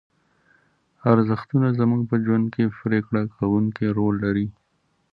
ارزښتونه زموږ په ژوند کې پرېکړه کوونکی رول لري.